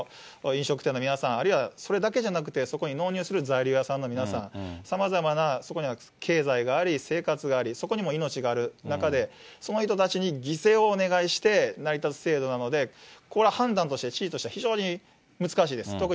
飲食店の皆さん、あるいはそれだけじゃなくて、そこに納入する材料屋さんの皆さん、さまざまなそこには経済があり、生活があり、そこにも命がある中で、その人たちに犠牲をお願いして成り立つ制度なので、これは判断として、知事として、非常に難しいです。